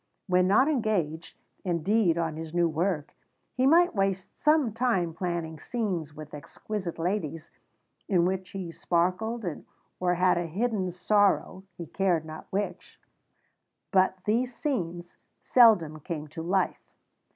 When not engaged, indeed, on his new work, he might waste some time planning scenes with exquisite ladies, in which he sparkled or had a hidden sorrow (he cared not which); but these scenes seldom came to life.